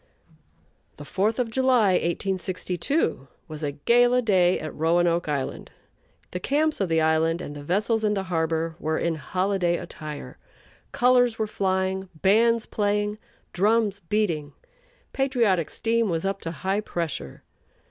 The Fourth of July, 1862, was a gala day at Roanoke Island. The camps of the island and the vessels in the harbor were in holiday attire. Colors were flying, bands playing, drums beating, patriotic steam was up to high pressure.